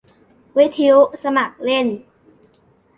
วิทยุสมัครเล่น